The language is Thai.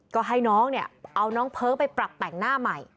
ก็ให้น้องเนี่ยเอาน้องเพลิงไปปรับแต่งหน้าใหม่